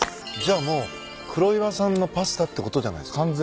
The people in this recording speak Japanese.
じゃあもう黒岩さんのパスタってことじゃないですか。